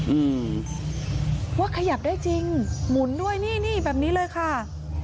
อืมว่าขยับได้จริงหมุนด้วยนี่นี่แบบนี้เลยค่ะ